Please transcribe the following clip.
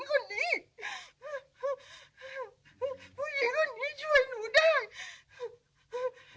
หนูไม่ชอบให้ราวมาฆ่าหนู